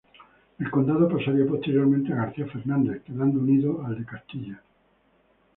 El condado pasaría posteriormente a García Fernández, quedando unido al de Castilla.